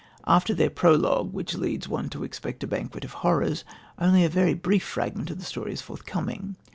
After this prologue, which leads one to expect a banquet of horrors, only a very brief fragment of the story is forthcoming.